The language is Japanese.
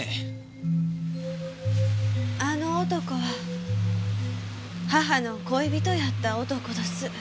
あの男は母の恋人やった男どす。